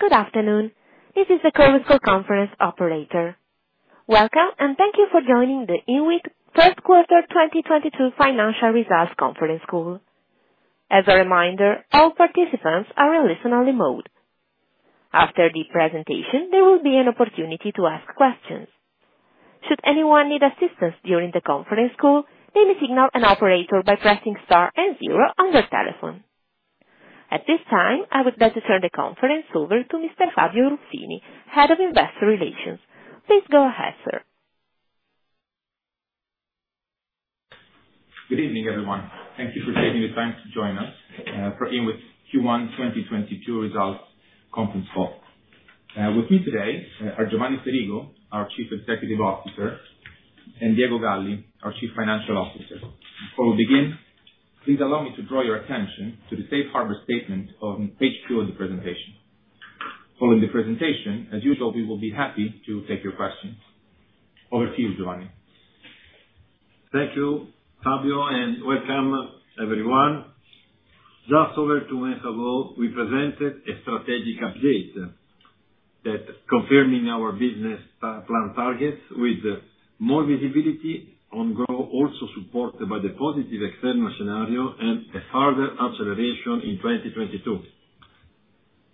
Good afternoon. This is the conference call operator. Welcome, and thank you for joining the INWIT First Quarter 2022 Financial Results Conference Call. As a reminder, all participants are in listen only mode. After the presentation, there will be an opportunity to ask questions. Should anyone need assistance during the conference call, please signal an operator by pressing star and zero on your telephone. At this time, I would like to turn the conference over to Mr. Fabio Ruffini, Head of Investor Relations. Please go ahead, sir. Good evening, everyone. Thank you for taking the time to join us for INWIT Q1 2022 Results Conference Call. With me today are Giovanni Ferigo, our Chief Executive Officer, and Diego Galli, our Chief Financial Officer. Before we begin, please allow me to draw your attention to the safe harbor statement on page two of the presentation. Following the presentation, as usual, we will be happy to take your questions. Over to you, Giovanni. Thank you, Fabio, and welcome, everyone. Just over two months ago, we presented a strategic update that confirming our business plan targets with more visibility on growth, also supported by the positive external scenario and a further acceleration in 2022.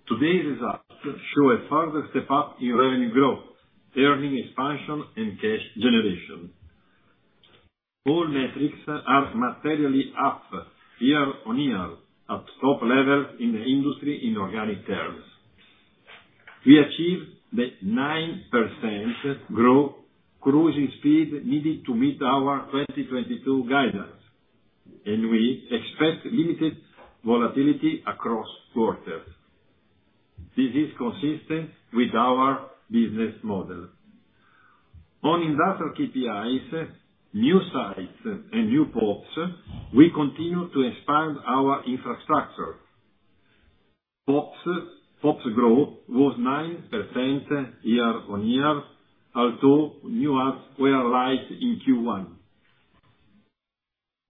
Today's results show a further step up in revenue growth, earnings expansion and cash generation. All metrics are materially up year-on-year at top level in the industry in organic terms. We achieved the 9% growth cruising speed needed to meet our 2022 guidance, and we expect limited volatility across quarters. This is consistent with our business model. On industrial KPIs, new sites and new PoPs, we continue to expand our infrastructure. PoPs growth was 9% year-on-year, although new adds were light in Q1.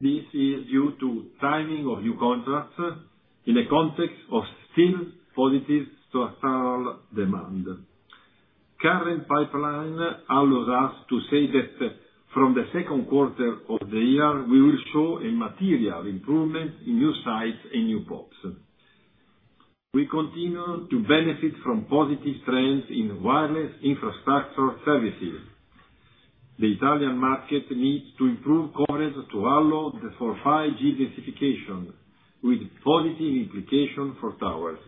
This is due to timing of new contracts in a context of still positive structural demand. Current pipeline allows us to say that from the second quarter of the year we will show a material improvement in new sites and new PoPs. We continue to benefit from positive trends in wireless infrastructure services. The Italian market needs to improve coverage to allow for 5G densification with positive implications for towers.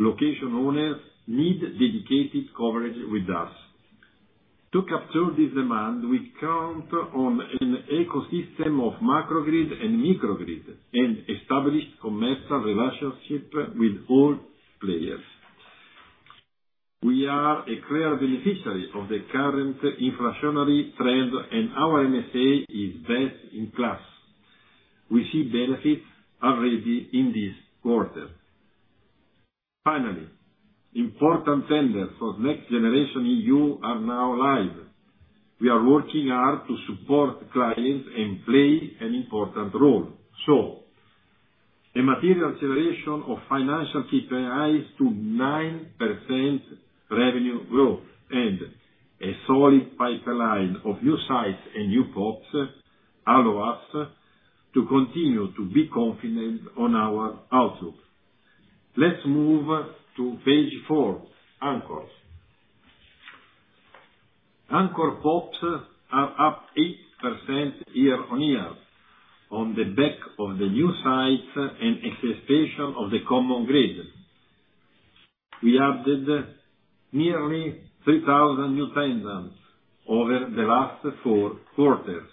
Location owners need dedicated coverage with us. To capture this demand, we count on an ecosystem of macro grid and micro grid and established commercial relationship with all players. We are a clear beneficiary of the current inflationary trend, and our MSA is best in class. We see benefits already in this quarter. Finally, important tenders for Next Generation EU are now live. We are working hard to support clients and play an important role. A material acceleration of financial KPIs to 9% revenue growth and a solid pipeline of new sites and new PoPs allow us to continue to be confident on our outlook. Let's move to page four, anchors. Anchor PoPs are up 8% year-on-year on the back of the new sites and acceleration of the common grid. We added nearly 3,000 new tenants over the last four quarters.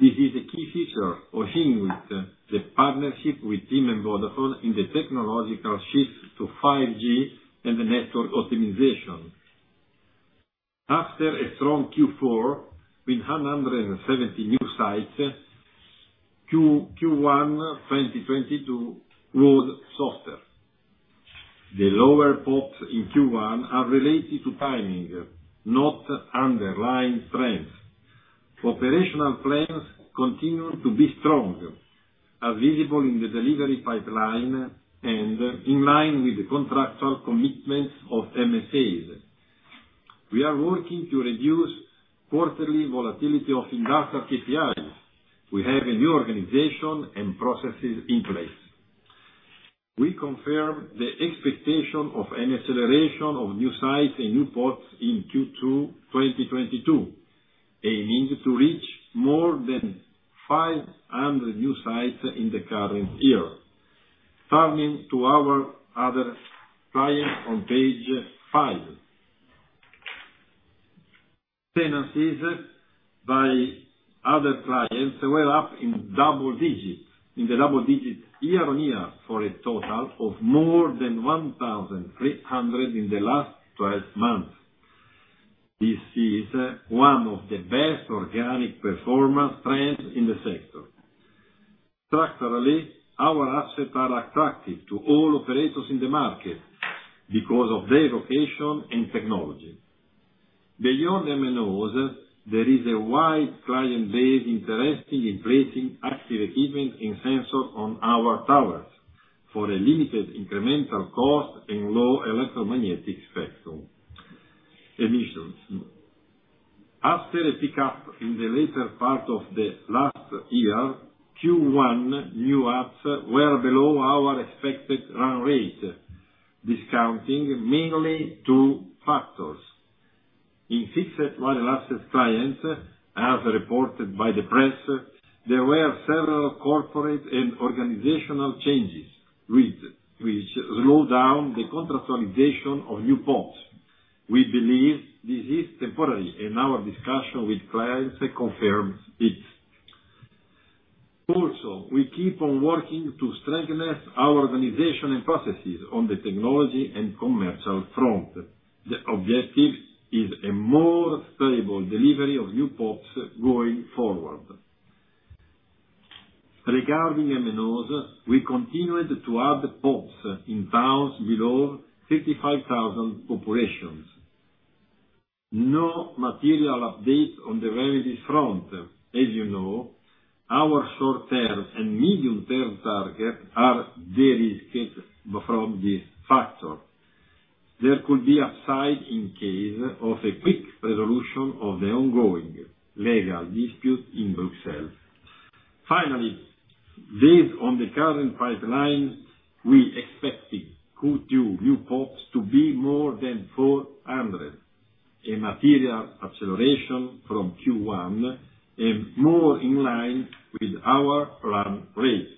This is a key feature of INWIT, the partnership with TIM and Vodafone in the technological shift to 5G and the network optimization. After a strong Q4 with 170 new sites, Q1 2022 growth softer. The lower PoPs in Q1 are related to timing, not underlying trends. Operational plans continue to be strong as visible in the delivery pipeline and in line with the contractual commitments of MSAs. We are working to reduce quarterly volatility of industrial KPIs. We have a new organization and processes in place. We confirm the expectation of an acceleration of new sites and new PoPs in Q2 2022, aiming to reach more than 500 new sites in the current year. Turning to our other clients on page five. Tenancies by other clients were up in double digits, in the double digits year-on-year for a total of more than 1,300 in the last 12 months. This is one of the best organic performance trends in the sector. Structurally, our assets are attractive to all operators in the market because of their location and technology. Beyond MNOs, there is a wide client base interested in placing active equipment and sensors on our towers for a limited incremental cost and low electromagnetic spectrum emissions. After a pick up in the later part of the last year, Q1 new adds were below our expected run rate, discounting mainly two factors. In fixed wireless clients, as reported by the press, there were several corporate and organizational changes which slowed down the contractualization of new PoPs. We believe this is temporary, and our discussion with clients confirms it. Also, we keep on working to strengthen our organization and processes on the technology and commercial front. The objective is a more stable delivery of new PoPs going forward. Regarding MNOs, we continued to add PoPs in towns below 55,000 populations. No material update on the remedy front. As you know, our short term and medium term target are derisked from this factor. There could be upside in case of a quick resolution of the ongoing legal dispute in Brussels. Finally, based on the current pipeline, we're expecting Q2 new PoPs to be more than 400, a material acceleration from Q1 and more in line with our run rate.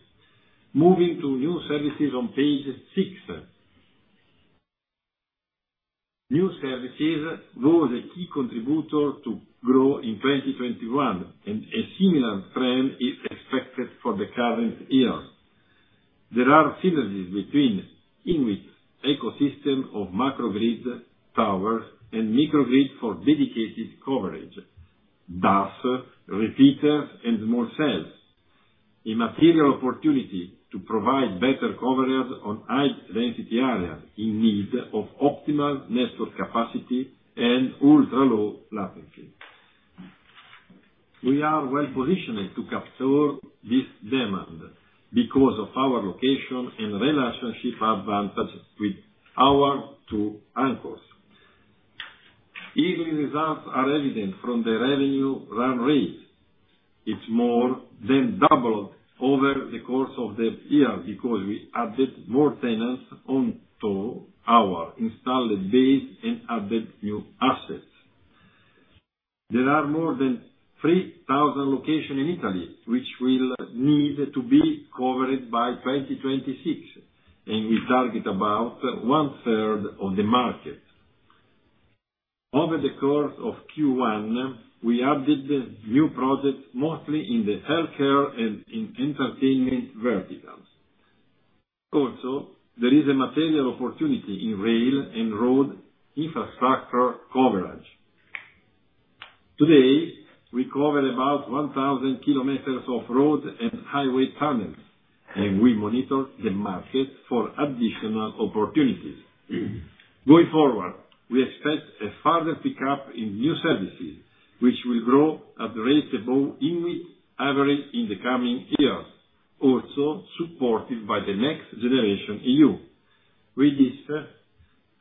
Moving to new services on page six. New services was a key contributor to growth in 2021, and a similar trend is expected for the current year. There are synergies between INWIT's ecosystem of macro grid towers and micro grid for dedicated coverage, DAS, repeater, and small cells. A material opportunity to provide better coverage on high density areas in need of optimal network capacity and ultra-low latency. We are well positioned to capture this demand because of our location and relationship advantages with our two anchors. Recent results are evident from the revenue run rate. It's more than doubled over the course of the year because we added more tenants onto our installed base and added new assets. There are more than 3,000 locations in Italy which will need to be covered by 2026, and we target about 1/3 of the market. Over the course of Q1, we added new projects mostly in the healthcare and in entertainment verticals. Also, there is a material opportunity in rail and road infrastructure coverage. Today, we cover about 1,000 km of road and highway tunnels, and we monitor the market for additional opportunities. Going forward, we expect a further pick up in new services, which will grow at a rate above INWIT's average in the coming years also supported by the Next Generation EU. With this,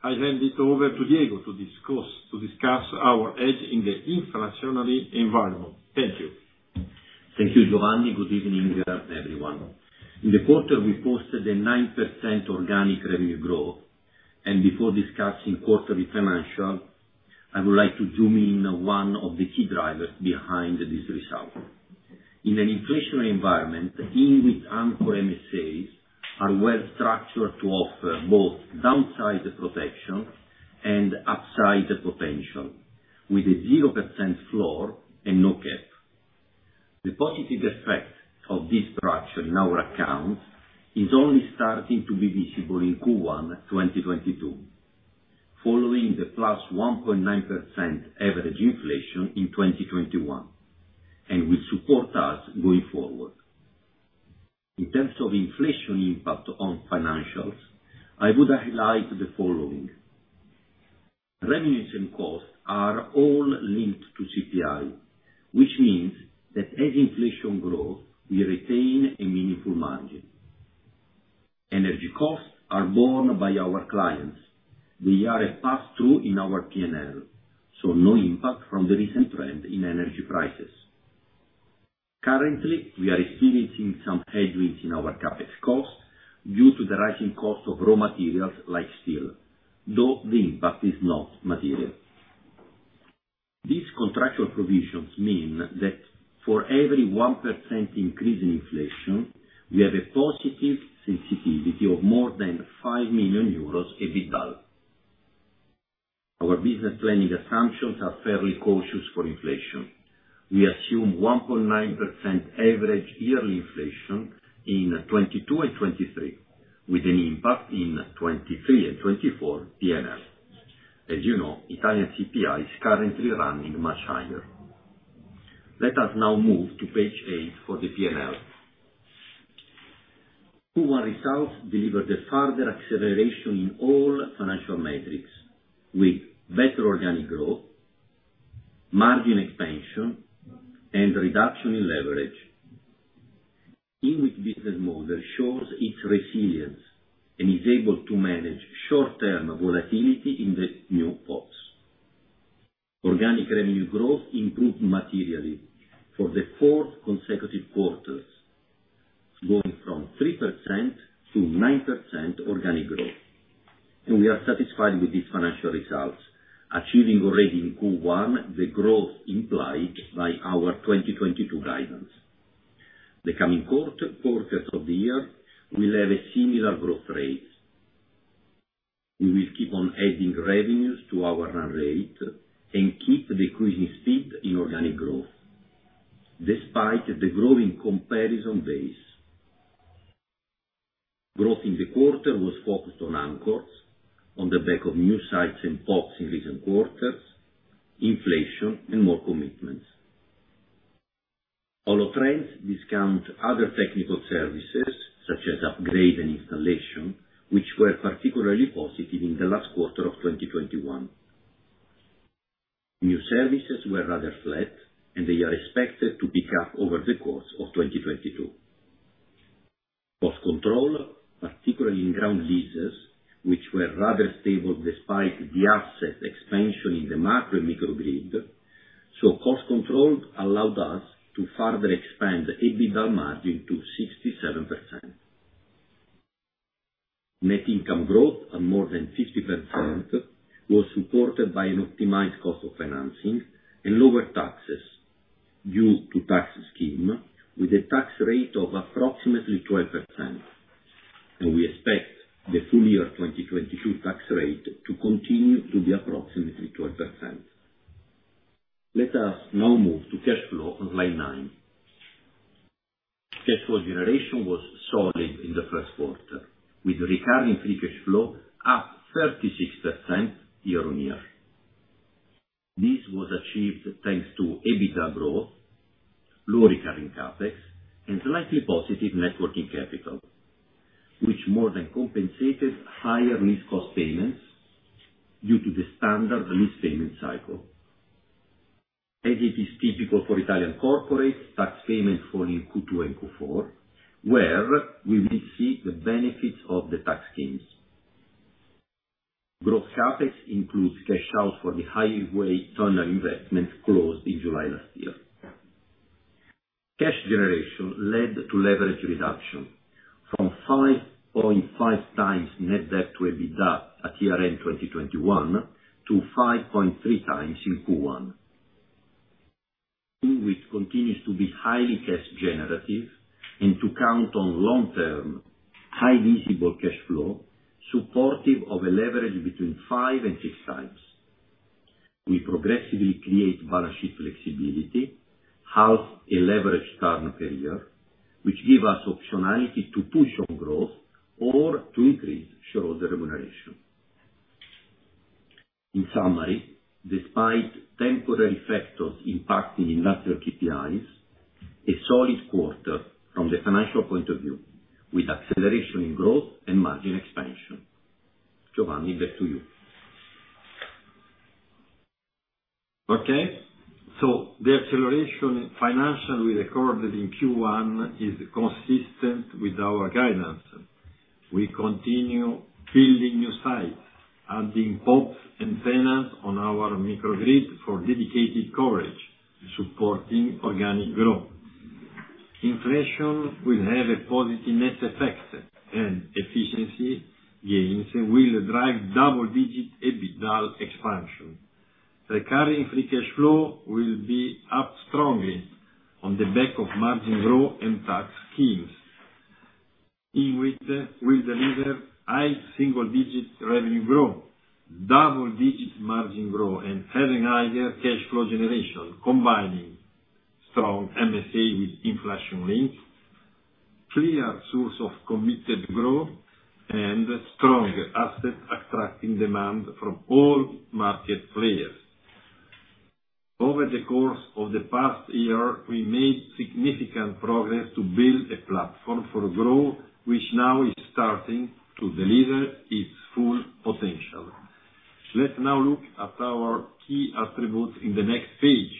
I hand it over to Diego to discuss our edge in the inflationary environment. Thank you. Thank you, Giovanni. Good evening, everyone. In the quarter, we posted a 9% organic revenue growth. Before discussing quarterly financials, I would like to zoom in on one of the key drivers behind this result. In an inflationary environment, INWIT anchor MSAs are well structured to offer both downside protection and upside potential with a 0% floor and no cap. The positive effect of this structure in our accounts is only starting to be visible in Q1 2022, following the +1.9% average inflation in 2021, and will support us going forward. In terms of inflation impact on financials, I would highlight the following. Revenues and costs are all linked to CPI, which means that as inflation grows, we retain a meaningful margin. Energy costs are borne by our clients. They are a pass through in our P&L, so no impact from the recent trend in energy prices. Currently, we are experiencing some headwinds in our CapEx costs due to the rising cost of raw materials like steel, though the impact is not material. These contractual provisions mean that for every 1% increase in inflation, we have a positive sensitivity of more than 5 million euros EBITDA. Our business planning assumptions are fairly cautious for inflation. We assume 1.9% average yearly inflation in 2022 and 2023, with an impact in 2023 and 2024 P&L. As you know, Italian CPI is currently running much higher. Let us now move to page eight for the P&L. Q1 results delivered a further acceleration in all financial metrics, with better organic growth, margin expansion, and reduction in leverage. INWIT business model shows its resilience and is able to manage short-term volatility in the new PoPs. Organic revenue growth improved materially for the fourth consecutive quarters, going from 3% to 9% organic growth. We are satisfied with these financial results, achieving already in Q1 the growth implied by our 2022 guidance. The coming quarters of the year will have a similar growth rate. We will keep on adding revenues to our run rate and keep the increasing speed in organic growth despite the growing comparison base. Growth in the quarter was focused on anchors, on the back of new sites and PoPs in recent quarters, inflation, and more commitments. All trends, discounting other technical services, such as upgrade and installation, which were particularly positive in the last quarter of 2021. New services were rather flat, and they are expected to pick up over the course of 2022. Cost control, particularly in ground leases, which were rather stable despite the asset expansion in the macro-grid and micro-grid. Cost control allowed us to further expand the EBITDA margin to 67%. Net income growth of more than 50% was supported by an optimized cost of financing and lower taxes due to tax scheme, with a tax rate of approximately 12%. We expect the full year 2022 tax rate to continue to be approximately 12%. Let us now move to cash flow on line nine. Cash flow generation was solid in the first quarter, with recurring free cash flow up 36% year-on-year. This was achieved thanks to EBITDA growth, lower recurring CapEx, and slightly positive working capital, which more than compensated higher lease cost payments due to the standard lease payment cycle. As it is typical for Italian corporates, tax payments fall in Q2 and Q4, where we will see the benefits of the tax gains. Gross CapEx includes cash out for the highway tunnel investment closed in July last year. Cash generation led to leverage reduction from 5.5x net debt to EBITDA at year-end 2021 to 5.3x in Q1. INWIT continues to be highly cash generative and to count on long-term high visible cash flow, supportive of a leverage between 5x and 6x. We progressively create balance sheet flexibility, have a leverage target area, which give us optionality to push on growth or to increase shareholder remuneration. In summary, despite temporary factors impacting industrial KPIs, a solid quarter from the financial point of view, with acceleration in growth and margin expansion. Giovanni, back to you. Okay. The acceleration in financial we recorded in Q1 is consistent with our guidance. We continue building new sites, adding PoPs and tenants on our microgrid for dedicated coverage, supporting organic growth. Inflation will have a positive net effect, and efficiency gains will drive double-digit EBITDA expansion. Recurrent free cash flow will be up strongly on the back of margin growth and tax schemes. INWIT will deliver high single-digit revenue growth, double-digit margin growth, and even higher cash flow generation, combining strong MSA with inflation links, clear source of committed growth, and strong asset attracting demand from all market players. Over the course of the past year, we made significant progress to build a platform for growth, which now is starting to deliver its full potential. Let's now look at our key attributes in the next page.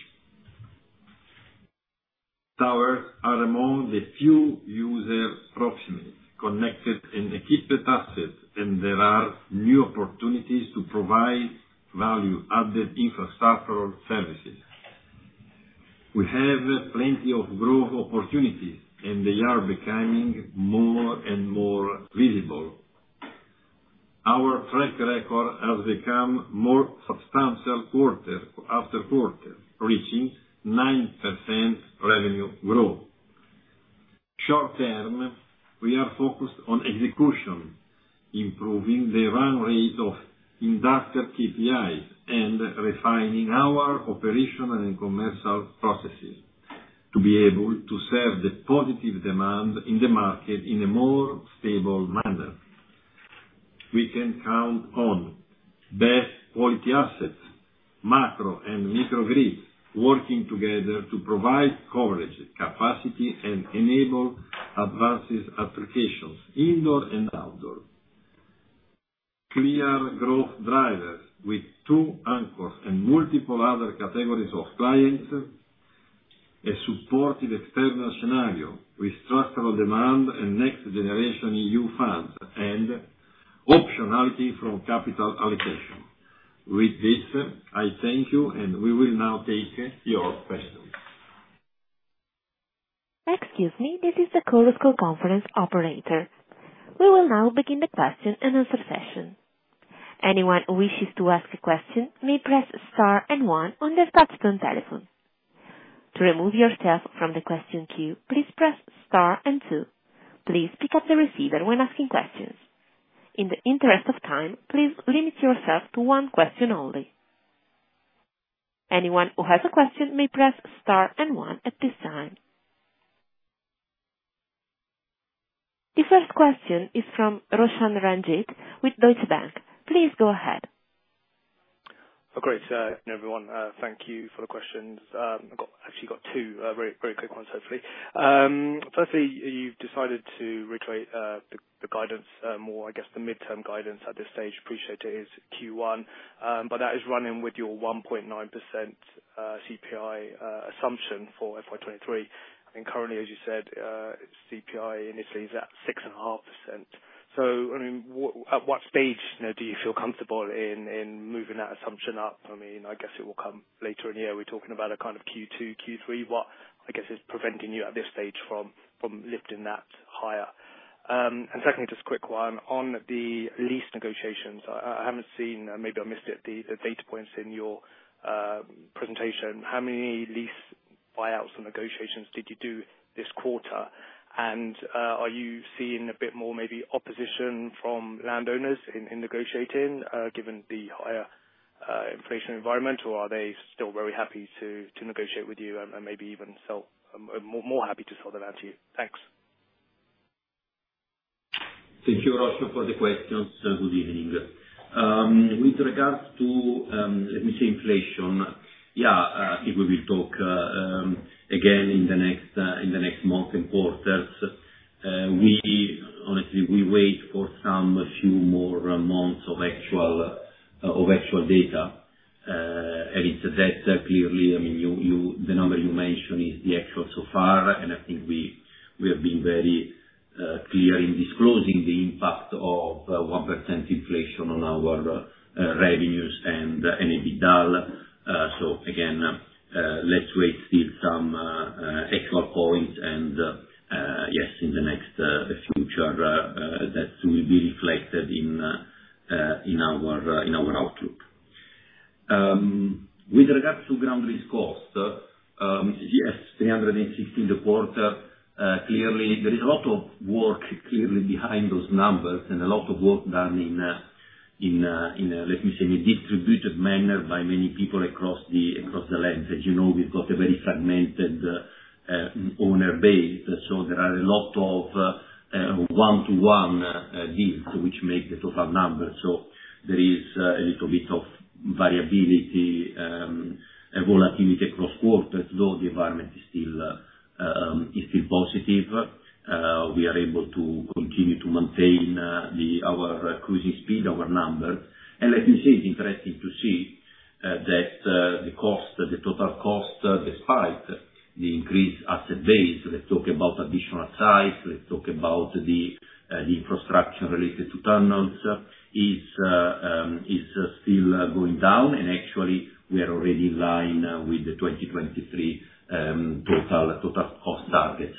Towers are among the few user proximity, connected and equipped assets, and there are new opportunities to provide value-added infrastructural services. We have plenty of growth opportunities, and they are becoming more and more visible. Our track record has become more substantial quarter after quarter, reaching 9% revenue growth. Short-term, we are focused on execution, improving the run rate of industrial KPIs, and refining our operational and commercial processes to be able to serve the positive demand in the market in a more stable manner. We can count on best quality assets, macro-grid and microgrid working together to provide coverage, capacity and enable advanced applications indoor and outdoor. Clear growth drivers with two anchors and multiple other categories of clients, a supportive external scenario with structural demand and Next Generation EU funds and optionality from capital allocation. With this, I thank you and we will now take your questions. Excuse me. This is the conference operator. We will now begin the question and answer session. Anyone who wishes to ask a question may press star and one on their participant telephone. To remove yourself from the question queue, please press star and two. Please pick up the receiver when asking questions. In the interest of time, please limit yourself to one question only. Anyone who has a question may press star and one at this time. The first question is from Roshan Ranjit with Deutsche Bank. Please go ahead. Oh, great. Everyone, thank you for the questions. I've got actually two very, very quick ones, hopefully. Firstly, you've decided to reiterate the guidance, more I guess the midterm guidance at this stage. Appreciate it is Q1, but that is running with your 1.9% CPI assumption for FY 2023. Currently, as you said, CPI initially is at 6.5%. I mean, what stage, you know, do you feel comfortable in moving that assumption up? I mean, I guess it will come later in the year. Are we talking about a kind of Q2, Q3? What I guess is preventing you at this stage from lifting that higher? Secondly, just quick one on the lease negotiations. I haven't seen, maybe I missed it, the data points in your presentation. How many lease buyouts or negotiations did you do this quarter? Are you seeing a bit more maybe opposition from landowners in negotiating, given the higher inflation environment? Are they still very happy to negotiate with you and maybe even sell more happy to sell the land to you? Thanks. Thank you, Roshan, for the questions. Good evening. With regard to, let me say inflation. Yeah. I think we will talk again in the next month and quarters. We honestly wait for some few more months of actual data. It's clear that, I mean, the number you mentioned is the actual so far, and I think we have been very clear in disclosing the impact of 1% inflation on our revenues and the NAV dial. Again, let's wait still some actual points and yes, in the near future that will be reflected in our outlook. With regard to ground lease cost, yes, 316 quarter. Clearly there is a lot of work behind those numbers and a lot of work done in, let me say, in a distributed manner by many people across the lens. As you know, we've got a very fragmented owner base. There are a lot of one-to-one deals which make the total number. There is a little bit of variability, a volatility across quarters, though the environment is still positive. We are able to continue to maintain our cruising speed, our numbers. Let me say, it's interesting to see that the cost, the total cost, despite the increased asset base, let's talk about additional size, let's talk about the infrastructure related to tunnels is still going down. Actually we are already in line with the 2023 total cost target.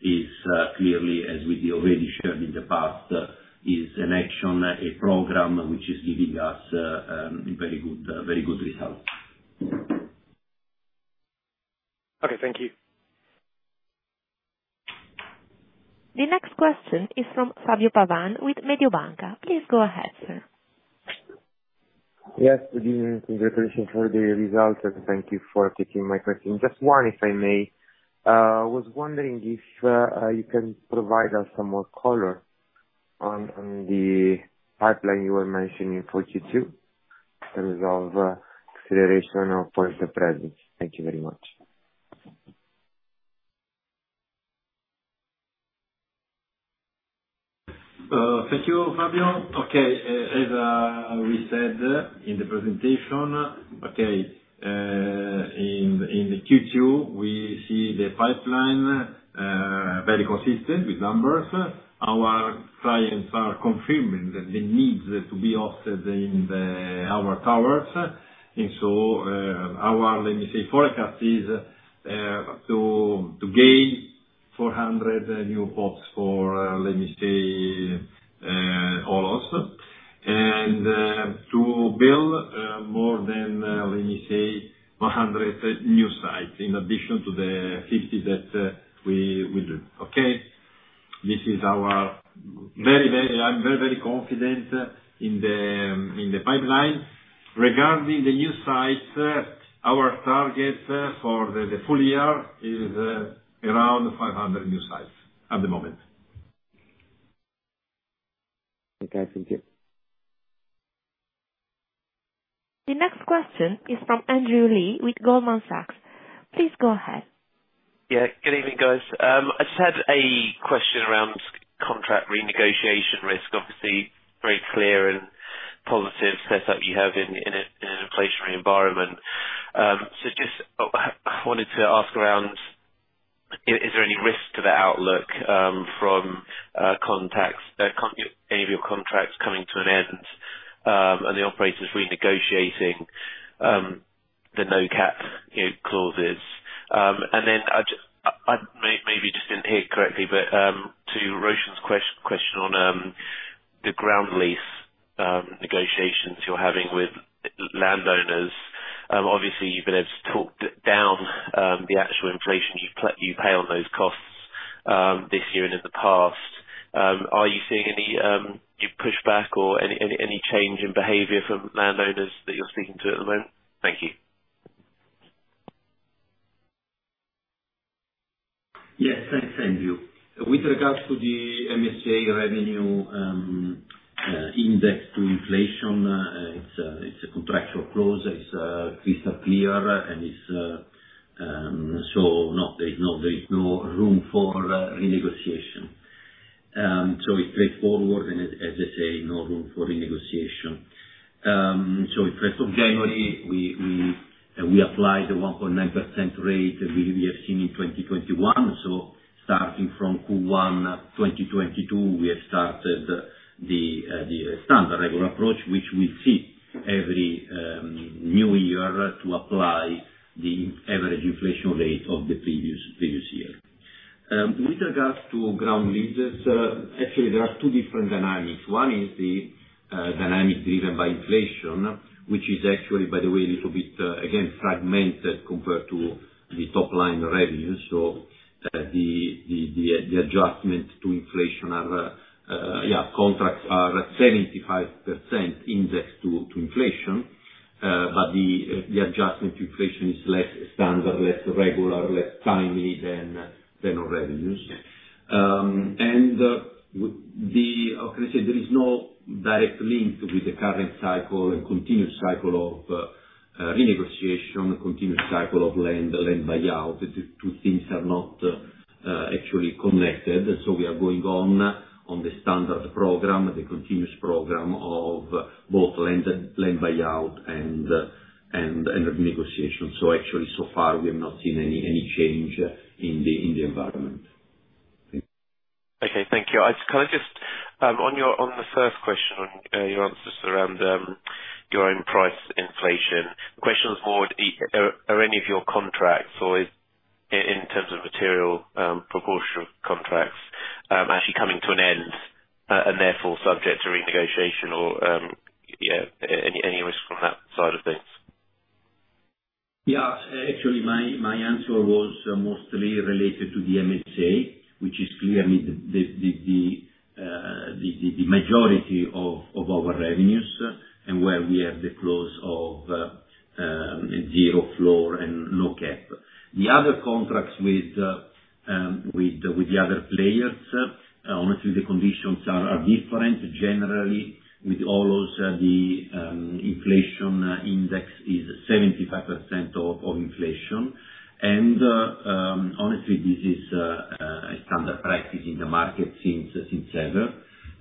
It's clearly as we already shared in the past, is an action, a program which is giving us very good results. Okay. Thank you. The next question is from Fabio Pavan with Mediobanca. Please go ahead, sir. Yes, good evening. Congratulations for the results. Thank you for taking my question. Just one, if I may. I was wondering if you can provide us some more color on the pipeline you were mentioning for Q2 in terms of acceleration of points of presence. Thank you very much. Thank you, Fabio. As we said in the presentation, in the Q2, we see the pipeline very consistent with numbers. Our clients are confirming that the need to be hosted in our towers. Our, let me say, forecast is to gain 400 new PoPs for, let me say, all of. To build more than 100 new sites in addition to the 50 that we do. This is our very. I'm very confident in the pipeline. Regarding the new sites, our target for the full year is around 500 new sites at the moment. Okay, thank you. The next question is from Andrew Lee with Goldman Sachs. Please go ahead. Yeah. Good evening, guys. I just had a question around contract renegotiation risk, obviously very clear and positive set up you have in an inflationary environment. Just, I wanted to ask around, is there any risk to the outlook from any of your contracts coming to an end, and the operators renegotiating the no-cap, you know, clauses. I maybe just didn't hear correctly, but to Roshan's question on the ground lease negotiations you're having with landowners, obviously, you've been able to talk down the actual inflation you pay on those costs this year and in the past. Are you seeing any new pushback or any change in behavior from landowners that you're speaking to at the moment? Thank you. Yes. Thanks, Andrew. With regards to the MSA revenue, indexed to inflation, it's a contractual clause. It's crystal clear, and there's no room for renegotiation. It's straightforward, and as I say, no room for renegotiation. First of January, we applied the 1.9% rate we have seen in 2021. Starting from Q1 2022, we have started the standard regular approach, which we do every new year to apply the average inflation rate of the previous year. With regards to ground leases, actually there are two different dynamics. One is the dynamic driven by inflation, which is actually, by the way, a little bit again fragmented compared to the top line revenue. The adjustment to inflation are, yeah, contracts are 75% indexed to inflation. The adjustment to inflation is less standard, less regular, less timely than our revenues. How can I say? There is no direct link with the current cycle and continuous cycle of renegotiation, continuous cycle of land buyout. The two things are not actually connected. We are going on the standard program, the continuous program of both land and land buyout and renegotiation. Actually, so far, we have not seen any change in the environment. Okay, thank you. Can I just on the first question, your answers around your own price inflation. Question is more: are any of your contracts or is in terms of material proportion of contracts actually coming to an end, and therefore subject to renegotiation or yeah, any risk from that side of things? Yeah. Actually, my answer was mostly related to the MSA, which is clearly the majority of our revenues and where we have the clause of zero floor and no cap. The other contracts with the other players, honestly, the conditions are different. Generally, with all those, the inflation index is 75% of inflation. Honestly, this is a standard practice in the market since ever.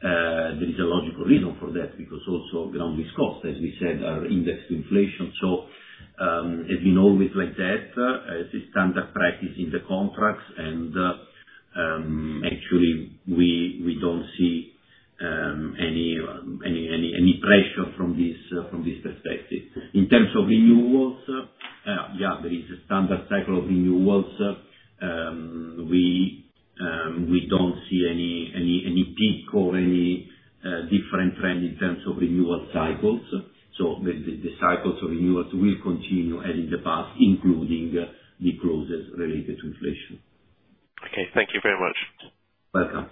There is a logical reason for that, because also ground lease costs, as we said, are indexed to inflation. It's been always like that. It's a standard practice in the contracts. Actually, we don't see any pressure from this perspective. In terms of renewals, yeah, there is a standard cycle of renewals. We don't see any peak or any different trend in terms of renewal cycles. The cycles of renewals will continue as in the past, including the clauses related to inflation. Okay. Thank you very much. Welcome.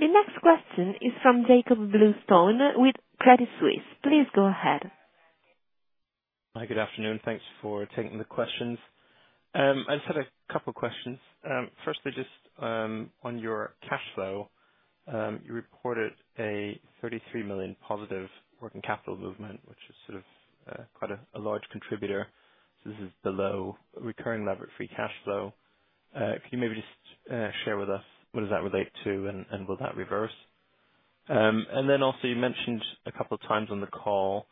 The next question is from Jakob Bluestone with Credit Suisse. Please go ahead. Hi. Good afternoon. Thanks for taking the questions. I just had a couple questions. Firstly, just on your cash flow, you reported a 33 million positive working capital movement, which is sort of quite a large contributor. This is below recurring levered free cash flow. Can you maybe just share with us what does that relate to, and will that reverse? And then also you mentioned a couple of times on the call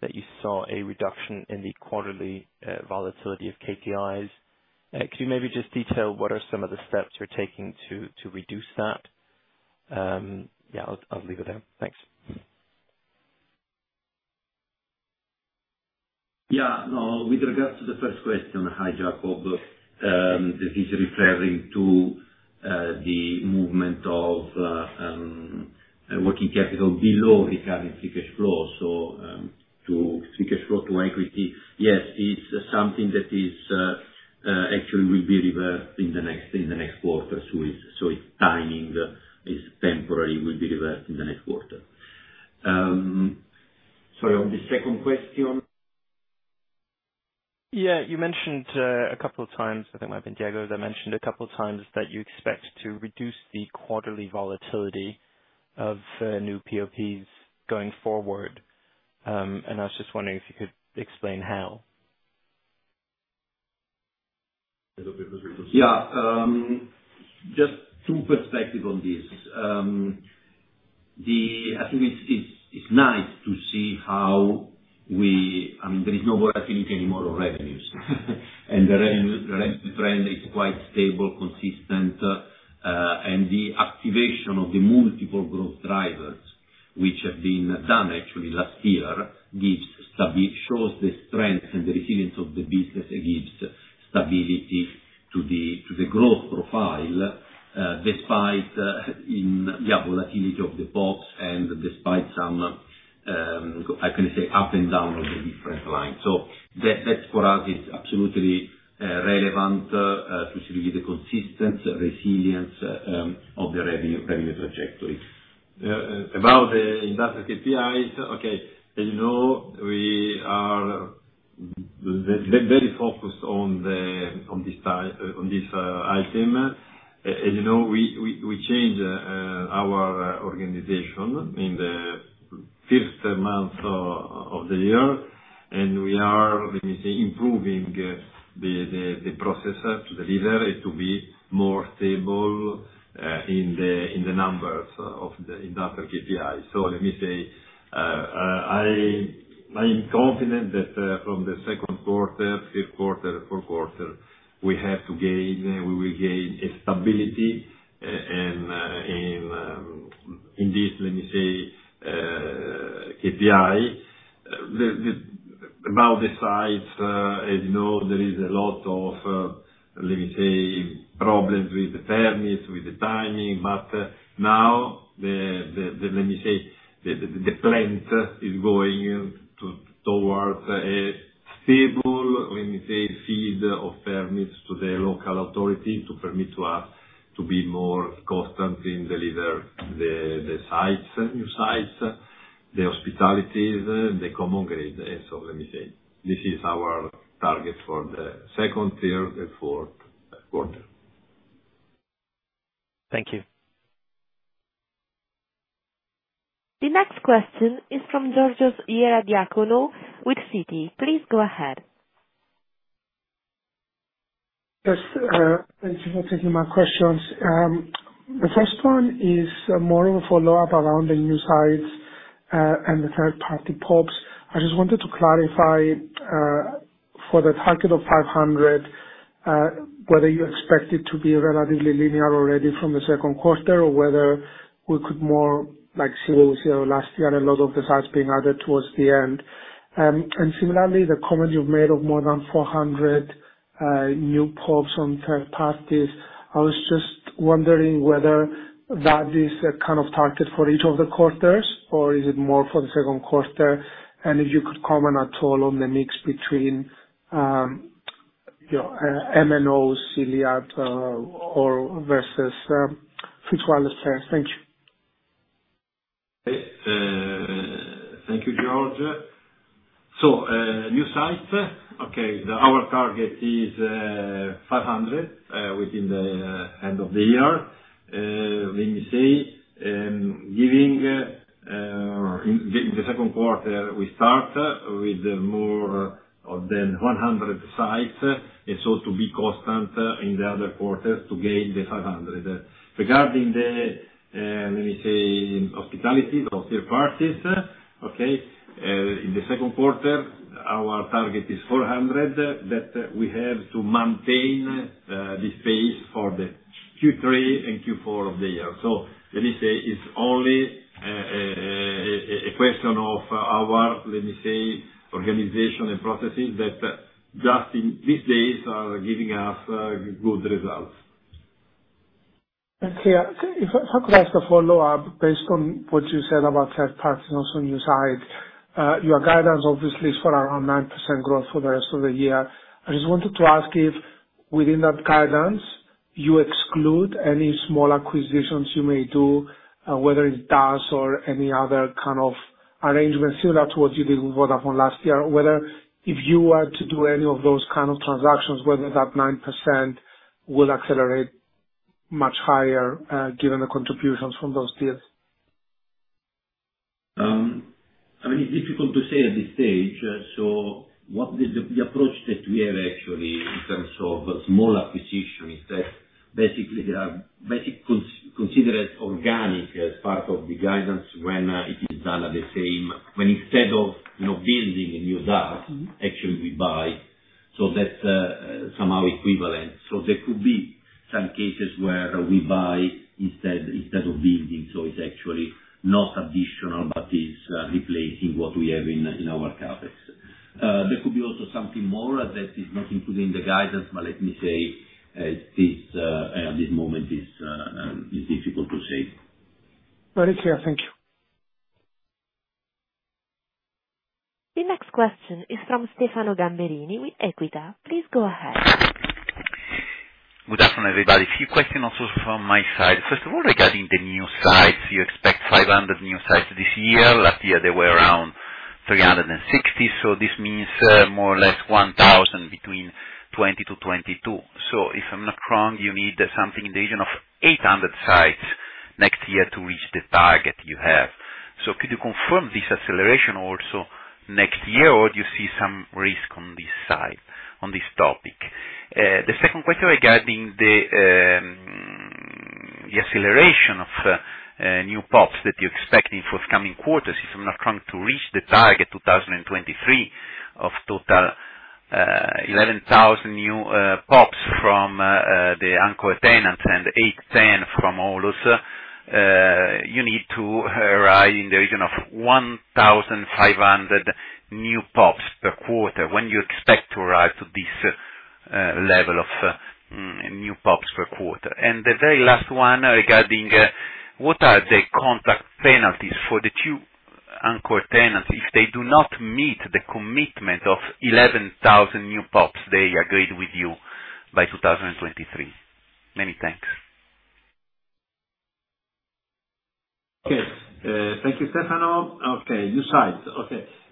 that you saw a reduction in the quarterly volatility of KPIs. Could you maybe just detail what are some of the steps you're taking to reduce that? Yeah, I'll leave it there. Thanks. Yeah. No. With regards to the first question. Hi, Jakob. This is referring to the movement of working capital below recurring free cash flow. To free cash flow to equity. Yes, it's something that is actually will be reversed in the next quarter. It's timing, is temporary, will be reversed in the next quarter. Sorry, on the second question. Yeah. You mentioned a couple of times, I think it might have been Diego that mentioned a couple of times that you expect to reduce the quarterly volatility of new PoPs going forward. I was just wondering if you could explain how. Yeah. Just two perspectives on this. I think it's nice to see how I mean, there is no volatility anymore of revenues. The revenue trend is quite stable, consistent, and the activation of the multiple growth drivers which have been done actually last year shows the strength and the resilience of the business. It gives stability to the growth profile, despite the volatility of the box and despite some, I can say up and down of the different lines. That, that's for us is absolutely relevant to see the consistent resilience of the revenue trajectory. About the industrial KPIs, okay, as you know, we are very focused on this item. As you know, we changed our organization in the fifth month of the year, and we are, let me say, improving the process to deliver it to be more stable in the numbers of the industrial KPI. Let me say, I'm confident that from the second quarter, third quarter, fourth quarter, we will gain a stability in this, let me say, KPI. About the sites, as you know, there is a lot of, let me say, problems with the permits, with the timing, but now, let me say, the plan is going towards a stable, let me say, feed of permits to the local authority to permit us to be more constant in deliver the sites, new sites, the hostings, the common grid. Let me say, this is our target for the second, third and fourth quarter. Thank you. The next question is from Georgios Ierodiaconou with Citi. Please go ahead. Yes, thank you for taking my questions. The first one is more of a follow-up around the new sites and the third-party PoPs. I just wanted to clarify for the target of 500 whether you expect it to be relatively linear already from the second quarter or whether we could more like see over last year a lot of the sites being added towards the end. Similarly, the comment you've made of more than 400 new PoPs from third parties, I was just wondering whether that is a kind of target for each of the quarters or is it more for the second quarter. If you could comment at all on the mix between, you know, MNO, Iliad, or versus virtual assets. Thank you. Thank you, Georgios. New sites. Okay. Our target is 500 within the end of the year. Let me say, given in the second quarter, we start with more than 100 sites, and so to be constant in the other quarters to gain the 500. Regarding the, let me say, hosting of third parties, okay? In the second quarter, our target is 400, that we have to maintain the pace for the Q3 and Q4 of the year. Let me say, it's only a question of our organization and processes that just in these days are giving us good results. Okay. How could I ask a follow-up based on what you said about third parties and also new sites. Your guidance obviously is for around 9% growth for the rest of the year. I just wanted to ask if within that guidance you exclude any small acquisitions you may do, whether it's DAS or any other kind of arrangements similar to what you did with Vodafone last year. Whether if you were to do any of those kind of transactions, whether that nine percent will accelerate much higher, given the contributions from those deals. I mean, it's difficult to say at this stage. What is the approach that we have actually in terms of small acquisition is that basically, they are considered as organic as part of the guidance when it is done at the same. When instead of, you know, building a new DAS, actually we buy, so that's somehow equivalent. There could be some cases where we buy instead of building, so it's actually not additional, but is replacing what we have in our CapEx. There could be also something more that is not included in the guidance, but let me say, this at this moment is difficult to say. Very clear. Thank you. The next question is from Stefano Gamberini with Equita. Please go ahead. Good afternoon, everybody. Few questions also from my side. First of all, regarding the new sites, you expect 500 new sites this year. Last year they were around 360, so this means more or less 1,000 between 2020 to 2022. If I'm not wrong, you need something in the region of 800 sites next year to reach the target you have. Could you confirm this acceleration also next year, or do you see some risk on this side, on this topic? The second question regarding the acceleration of new PoPs that you expect in forthcoming quarters. If I'm not trying to reach the target 2023 of total 11,000 new PoPs from the anchor tenants and eight to 10 from OLOs, you need to arrive in the region of 1,500 new PoPs per quarter. When do you expect to arrive to this level of new PoPs per quarter? The very last one regarding what are the contract penalties for the two anchor tenants if they do not meet the commitment of 11,000 new PoPs they agreed with you by 2023? Many thanks. Thank you, Stefano.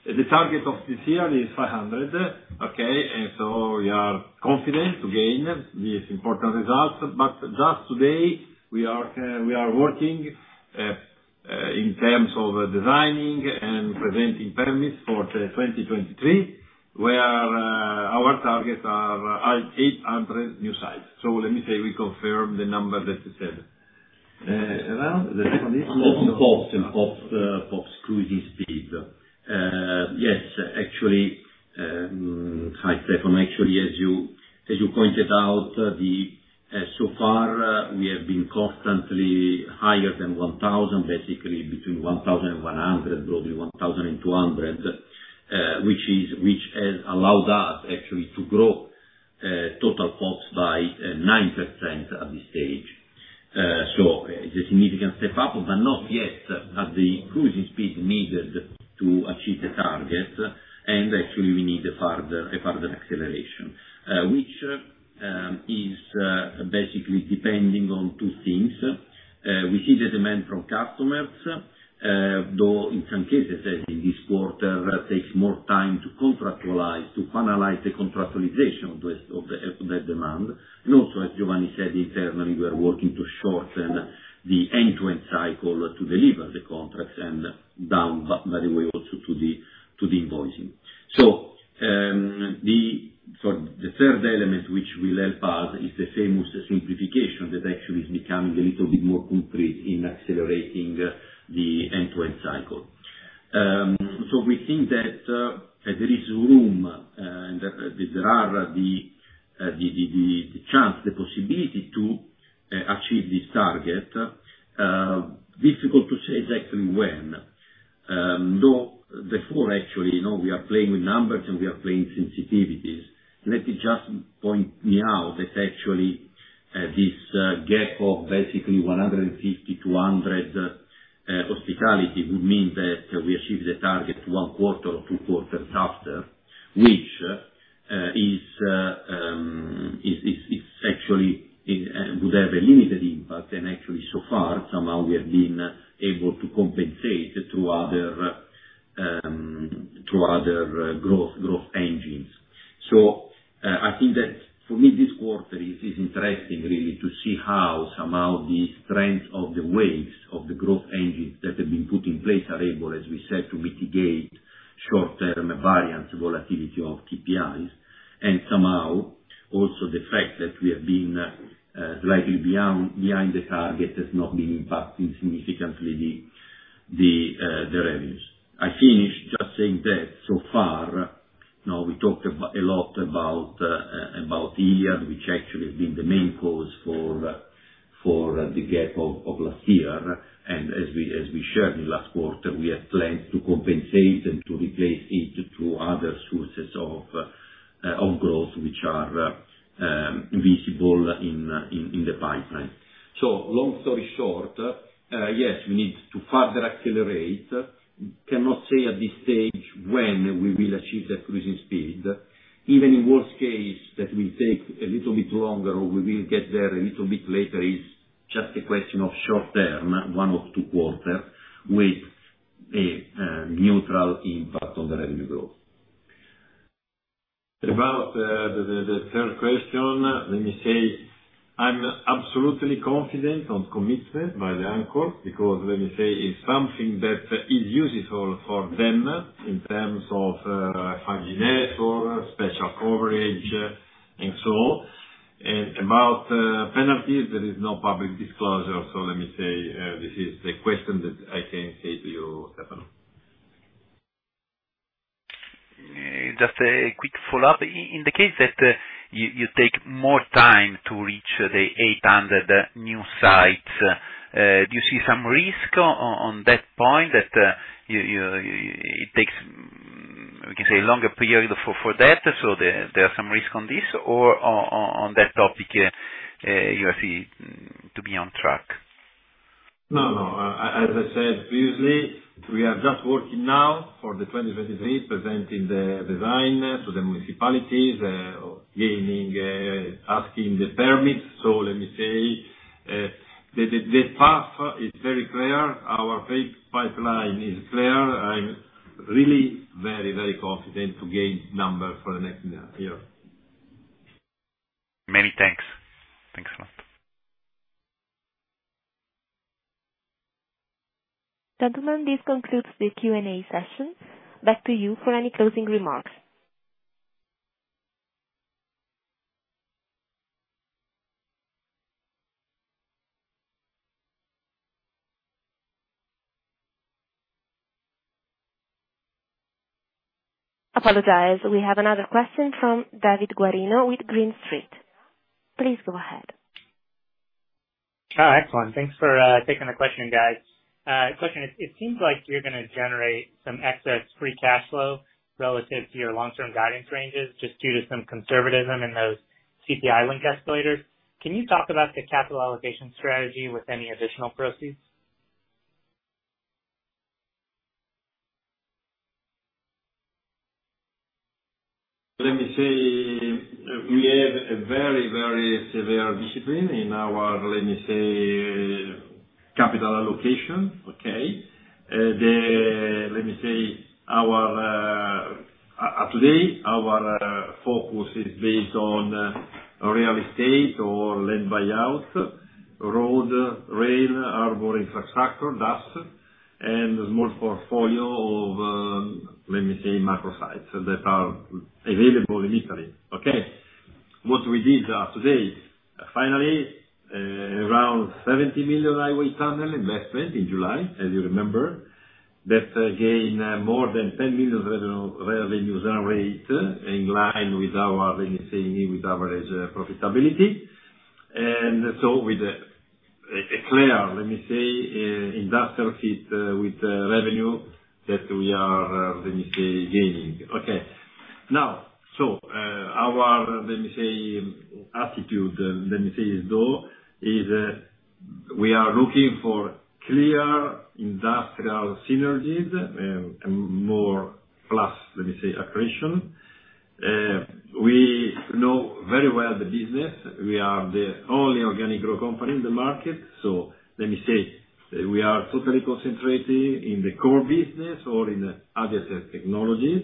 The target of this year is 500. We are confident to gain these important results. But just today, we are working in terms of designing and presenting permits for 2023, where our targets are 800 new sites. Let me say we confirm the number that you said. Around the second issue. PoPs cruising speed. Yes, actually. Hi, Stefano. Actually, as you pointed out, so far we have been constantly higher than 1,000, basically between 1,100 and 1,200, which has allowed us actually to grow total PoPs by 9% at this stage. So it's a significant step up, but not yet at the cruising speed needed to achieve the target. Actually we need a further acceleration, which is basically depending on two things. We see the demand from customers, though in some cases, as in this quarter, takes more time to contractualize, to finalize the contractualization of the demand. Also, as Giovanni said, internally, we are working to shorten the end-to-end cycle to deliver the contracts and down, by the way, also to the invoicing. The third element which will help us is the famous simplification that actually is becoming a little bit more concrete in accelerating the end-to-end cycle. We think that there is room and there are the chance, the possibility to achieve this target. Difficult to say exactly when. Though before actually, you know, we are playing with numbers and we are playing sensitivities. Let me just point out that actually this gap of basically 150-100 tenancies would mean that we achieve the target one quarter or two quarters after, which actually would have a limited impact. Actually so far somehow we have been able to compensate through other growth engines. I think that for me this quarter is interesting really to see how somehow the strength of the weights of the growth engines that have been put in place are able, as we said, to mitigate short-term variance volatility of TPIs. Somehow also the fact that we have been slightly behind the target has not been impacting significantly the revenues. I finish just saying that so far, you know, we talked a lot about Iliad, which actually has been the main cause for the gap of last year. As we shared last quarter, we have planned to compensate and to replace it through other sources of growth which are visible in the pipeline. Long story short, yes, we need to further accelerate. Cannot say at this stage when we will achieve that cruising speed. Even in worst case that will take a little bit longer or we will get there a little bit later, it's just a question of short term, one or two quarters, with a neutral impact on the revenue growth. About the third question, let me say I'm absolutely confident on commitment by the anchor, because let me say it's something that is useful for them in terms of hygiene or special coverage and so on. About penalties, there is no public disclosure. Let me say, this is the question that I can't give you, Stefano. Just a quick follow-up. In the case that you take more time to reach the 800 new sites, do you see some risk on that point that it takes. We can say longer period for that. There are some risk on this, or on that topic, you seem to be on track? No, no. As I said previously, we are just working now for the 2023, presenting the design to the municipalities, gaining, asking the permits. Let me say, the path is very clear. Our CapEx pipeline is clear. I'm really very confident to gain numbers for the next year. Many thanks. Thanks a lot. Gentlemen, this concludes the Q&A session. Back to you for any closing remarks. We have another question from David Guarino with Green Street. Please go ahead. Oh, excellent. Thanks for taking the question, guys. It seems like you're gonna generate some excess free cashflow relative to your long-term guidance ranges, just due to some conservatism in those CPI linked escalators. Can you talk about the capital allocation strategy with any additional proceeds? Let me say, we have a very, very severe discipline in our, let me say, capital allocation. Okay? Let me say, our focus today is based on real estate, core-led by us, road, rail, urban infrastructure, DAS, and small portfolio of, let me say, micro sites that are available in Italy. Okay? What we did today, finally, around 70 million highway tunnel investment in July, as you remember. That gain more than 10 million revenue rate in line with our, let me say, with our average profitability. With a clear, let me say, industrial fit with revenue that we are, let me say, gaining. Okay. Now, our, let me say, attitude, let me say though, is we are looking for clear industrial synergies, more plus, let me say, accretion. We know very well the business. We are the only organic growth company in the market. Let me say, we are totally concentrated in the core business or in other technologies.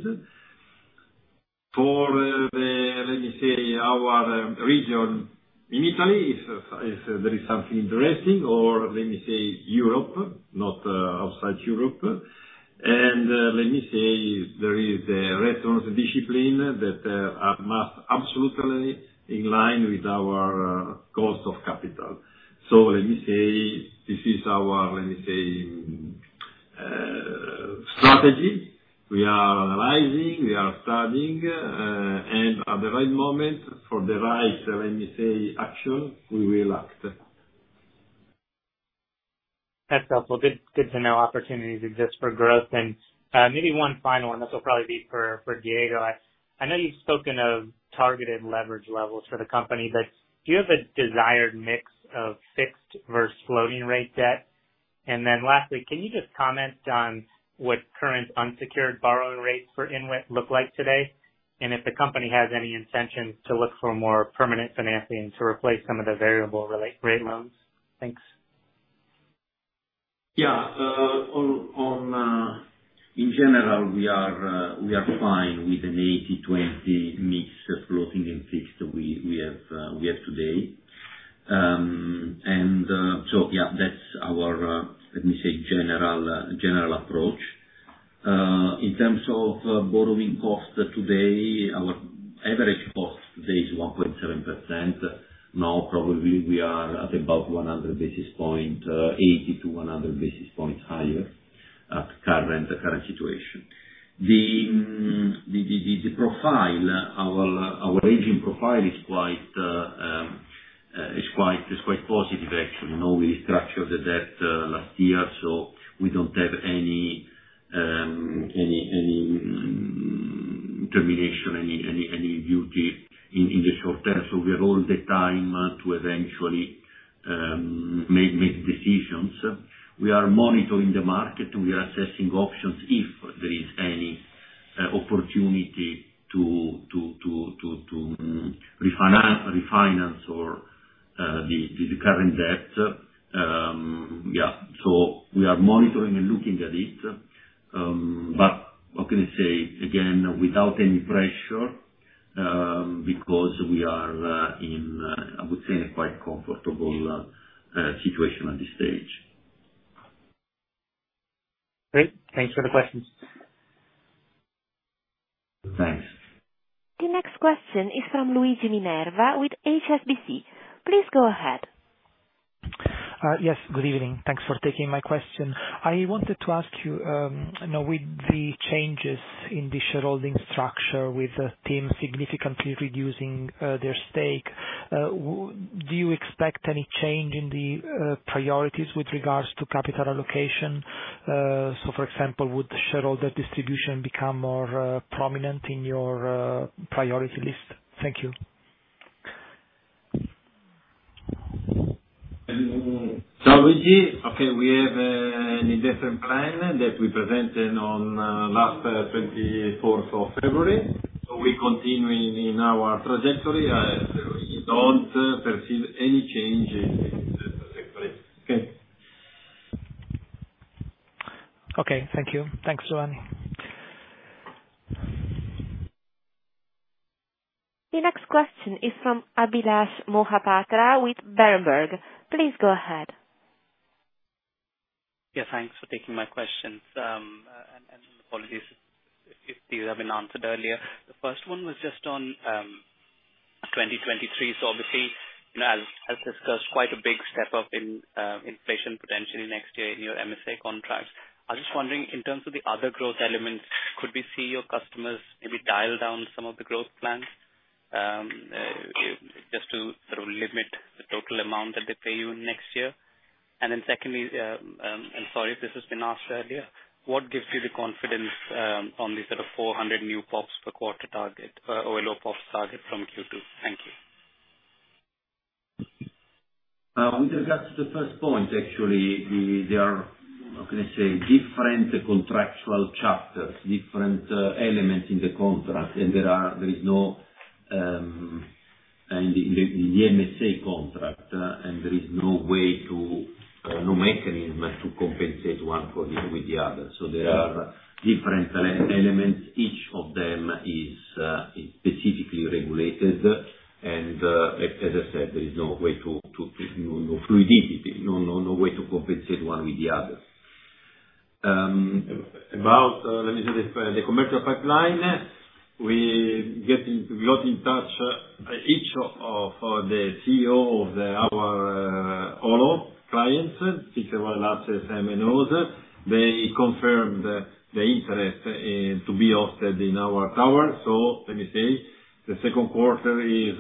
For the, let me say, our region in Italy is very something interesting or let me say Europe, not outside Europe. Let me say, there is a returns discipline that are must absolutely in line with our cost of capital. Let me say, this is our, let me say, strategy. We are analyzing, we are studying, and at the right moment, for the right, let me say, action, we will act. That's helpful. Good to know opportunities exist for growth. Maybe one final, and this will probably be for Diego. I know you've spoken of targeted leverage levels for the company, but do you have a desired mix of fixed versus floating rate debt? Then lastly, can you just comment on what current unsecured borrowing rates for INWIT look like today? If the company has any intention to look for more permanent financing to replace some of the variable rate loans? Thanks. Yeah. In general, we are fine with an 80/20 mix of floating and fixed we have today. Yeah, that's our, let me say, general approach. In terms of borrowing costs today, our average cost today is 1.7%. Now, probably we are at about 100 basis points, 80-100 basis points higher at current situation. The profile, our maturity profile is quite positive actually. Now we structured the debt last year, so we don't have any maturity in the short term. We have all the time to eventually make decisions. We are monitoring the market, and we are assessing options if there is any opportunity to refinance or the current debt. Yeah. We are monitoring and looking at it. What can I say? Again, without any pressure, because we are in, I would say, a quite comfortable situation at this stage. Great. Thanks for the questions. Thanks. The next question is from Luigi Minerva with HSBC. Please go ahead. Yes. Good evening. Thanks for taking my question. I wanted to ask you know, with the changes in the shareholding structure, with the team significantly reducing their stake, do you expect any change in the priorities with regards to capital allocation? For example, would shareholder distribution become more prominent in your priority list? Thank you. Luigi, okay, we have an investment plan that we presented on last twenty-fourth of February. We continue in our trajectory. We don't perceive any change in the trajectory. Okay. Okay. Thank you. Thanks, Giovanni. The next question is from Abhilash Mohapatra with Berenberg. Please go ahead. Yeah, thanks for taking my questions, and apologies if these have been answered earlier. The first one was just on 2023. So obviously, you know, as discussed, quite a big step up in inflation potentially next year in your MSA contracts. I'm just wondering, in terms of the other growth elements, could we see your customers maybe dial down some of the growth plans, just to sort of limit the total amount that they pay you next year? Then secondly, and sorry if this has been asked earlier, what gives you the confidence on the sort of 400 new PoPs per quarter target or PoPs target from Q2? Thank you. With regards to the first point, actually, they are, how can I say, different contractual chapters, different elements in the contract. There is no mechanism in the MSA contract to compensate one with the other. There are different elements. Each of them is specifically regulated. As I said, there is no way to, you know, no fluidity. No way to compensate one with the other. About, let me say this, the commercial pipeline, we got in touch with each of the CEOs of our OLO clients, fixed and wireless access MNOs. They confirmed the interest to be hosted in our tower. Let me say, the second quarter is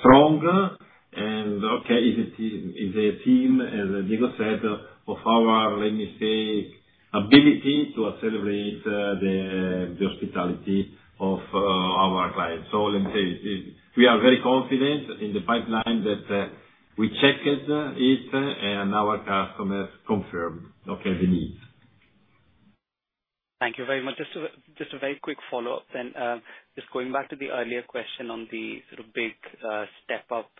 strong and, okay, is a testament, as Diego said, of our, let me say, ability to accelerate the hosting of our clients. Let me say, we are very confident in the pipeline that we checked it, and our customers confirm, okay, the needs. Thank you very much. Just a very quick follow-up then. Just going back to the earlier question on the sort of big step up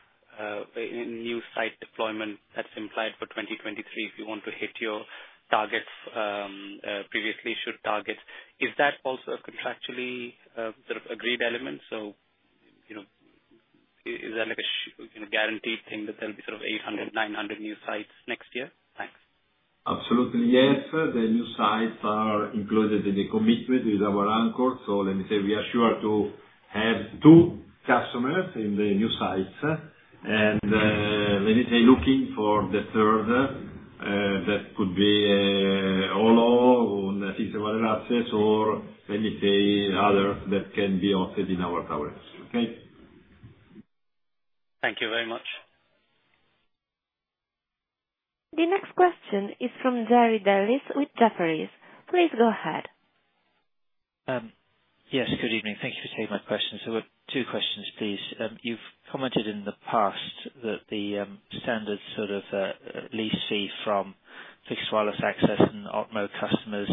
in new site deployment that's implied for 2023, if you want to hit your targets, previously issued targets. Is that also a contractually sort of agreed element? You know, is that like a you know, guaranteed thing that there'll be sort of 800-900 new sites next year? Thanks. Absolutely, yes. The new sites are included in the commitment with our anchor. Let me say, we are sure to have two customers in the new sites. Let me say, looking for the third, that could be OLO or fixed and wireless access or let me say other, that can be hosted in our towers. Okay. Thank you very much. The next question is from Jerry Dellis with Jefferies. Please go ahead. Yes, good evening. Thank you for taking my questions. Two questions, please. You've commented in the past that the standard sort of lease fee from fixed wireless access and OLO customers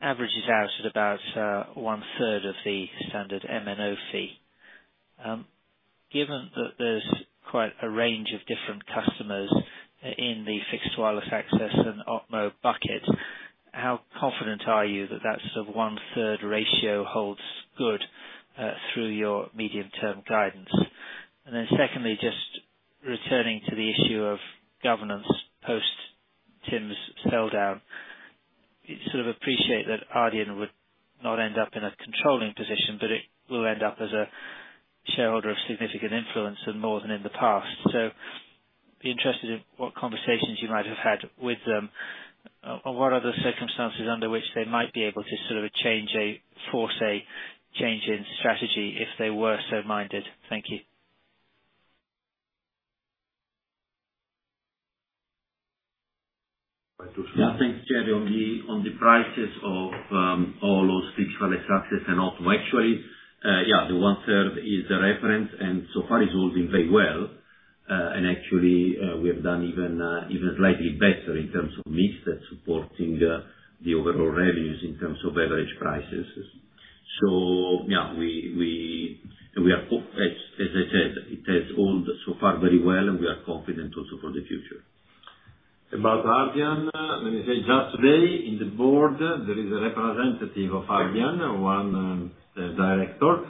averages out at about one-third of the standard MNO fee. Given that there's quite a range of different customers in the fixed wireless access and OLO bucket, how confident are you that that sort of one-third ratio holds good through your medium-term guidance? Secondly, just returning to the issue of governance post TIM's spin down. You sort of appreciate that Ardian would not end up in a controlling position, but it will end up as a shareholder of significant influence and more than in the past. Be interested in what conversations you might have had with them. What are the circumstances under which they might be able to sort of force a change in strategy if they were so minded. Thank you. Yeah. Thanks, Jerry. On the prices of all those fixed wireless access and OLO, actually, yeah, the one-third is the reference, and so far it's holding very well. Actually, we have done even slightly better in terms of mix that's supporting the overall revenues in terms of average prices. So yeah. As I said, it has held so far very well and we are confident also for the future. About Ardian, let me say, just today in the board, there is a representative of Ardian, one director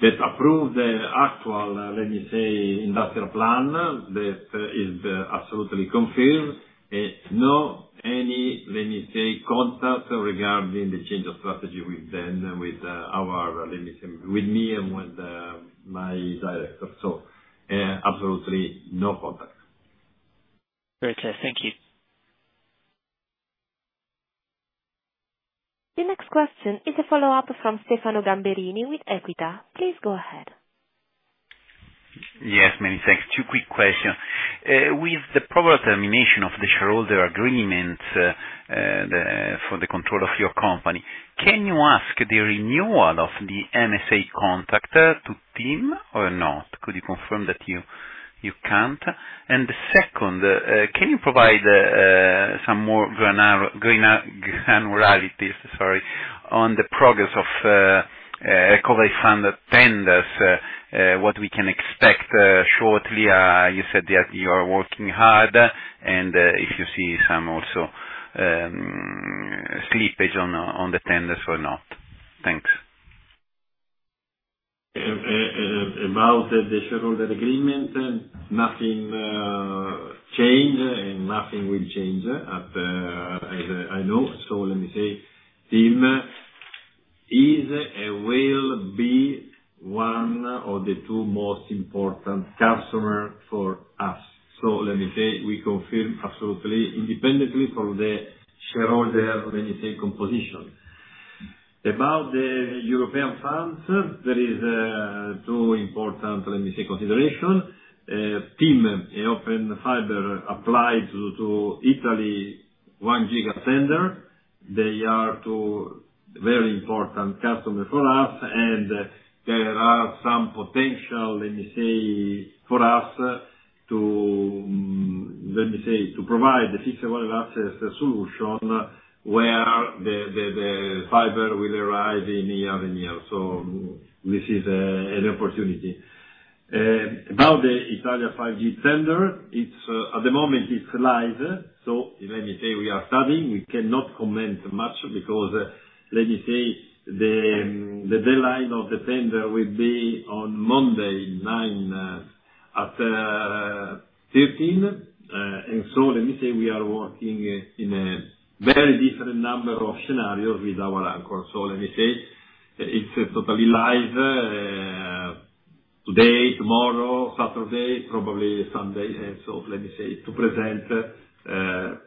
that approved the actual, let me say, industrial plan that is absolutely confirmed. No, any contact regarding the change of strategy with them, with me and with my director. Absolutely no contact. Very clear. Thank you. The next question is a follow-up from Stefano Gamberini with Equita. Please go ahead. Yes, many thanks. Two quick questions. With the proper termination of the shareholder agreement, for the control of your company, can you ask the renewal of the MSA contract to TIM or not? Could you confirm that you can't? Second, can you provide some more granularities, sorry, on the progress of recovery fund tenders, what we can expect shortly? You said that you are working hard, and if you see some also slippage on the tenders or not. Thanks. About the shareholder agreement, nothing will change. I know. Let me say, TIM is and will be one of the two most important customer for us. Let me say we confirm absolutely independently from the shareholder, let me say, composition. About the European funds, there is two important, let me say, consideration. TIM and Open Fiber applied to Italy 1 Giga bando. They are two very important customer for us. There are some potential, let me say, for us to, let me say, to provide the fixed and wireless access solution where the fiber will arrive in a year. This is an opportunity. About the Italia 5G bando, at the moment it's live. Let me say we are studying. We cannot comment much because, let me say, the deadline of the tender will be on Monday, 9th at 1:00 P.M. Let me say we are working in a very different number of scenarios with our anchor. Let me say, it's totally live today, tomorrow, Saturday, probably Sunday. Let me say to present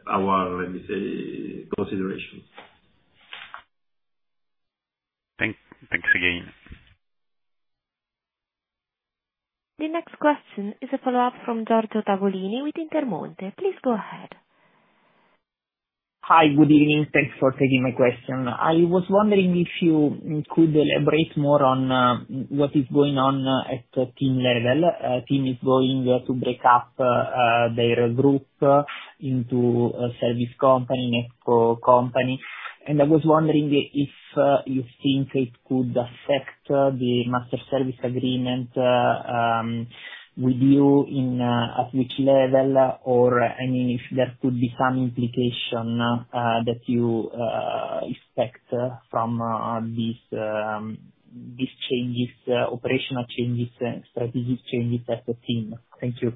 our consideration. Thanks again. The next question is a follow-up from Giorgio Tavolini with Intermonte. Please go ahead. Hi. Good evening. Thanks for taking my question. I was wondering if you could elaborate more on what is going on at the TIM level. TIM is going to break up their group into a service company, NetCo company. I was wondering if you think it could affect the Master Service Agreement with you at which level? I mean, if there could be some implication that you expect from these changes, operational changes and strategic changes at the TIM. Thank you.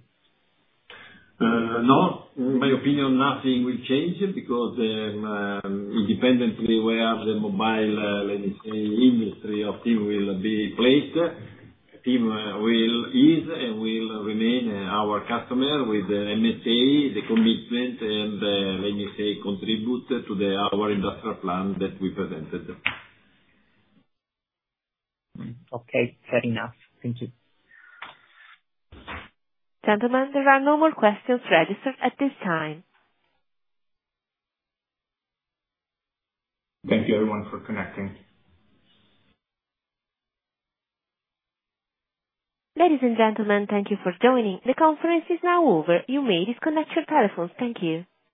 No. In my opinion, nothing will change because independently where the mobile, let me say, industry of TIM will be placed, TIM is and will remain our customer with the MSA, the commitment and, let me say, contribution to our industrial plan that we presented. Okay. Fair enough. Thank you. Gentlemen, there are no more questions registered at this time. Thank you everyone for connecting. Ladies and gentlemen, thank you for joining. The conference is now over. You may disconnect your telephones. Thank you.